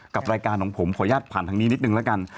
กับรายการของผมขออนุญาตผ่านทางนี้นิดนึงแล้วกัน